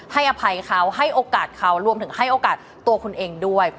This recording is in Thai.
อภัยเขาให้โอกาสเขารวมถึงให้โอกาสตัวคุณเองด้วย